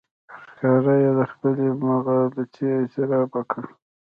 ښکاره یې د خپلې مغالطې اعتراف وکړ.